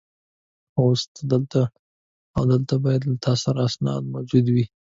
خو ته اوس دلته یې او دلته باید له تا سره اسناد موجود وي.